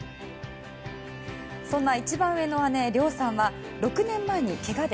そんな一番上の姉、涼さんは６年前に、けがで